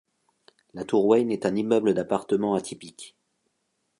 La tour Wayne est un immeuble d'appartement atypique.